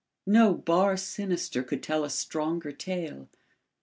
No bar sinister could tell a stronger tale.